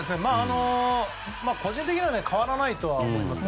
個人的には変わらないとは思います。